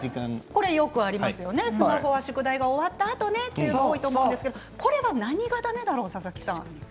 スマホは宿題が終わったあとでというのはよくありますけど、これは何がだめだろう佐々木さん。